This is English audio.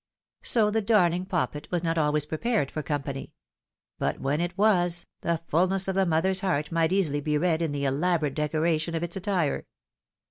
So the darling poppet was not always prepared for company ; but when it was, the fulness of the mother's heart might easily be read in THE major's attention TO BUSINESS. 13 the elaborate decoration of its attire.